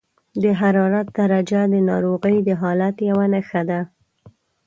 د حرارت درجه د ناروغۍ د حالت یوه نښه ده.